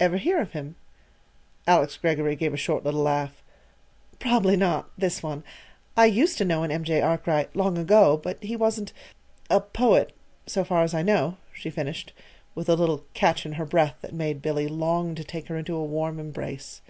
"Ever hear of him?" Alice Greggory gave a short little laugh. "Probably not this one. I used to know an M. J. Arkwright, long ago; but he wasn't a poet, so far as I know," she finished, with a little catch in her breath that made Billy long to take her into a warm embrace.